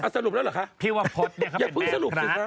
สรุปแล้วเหรอคะ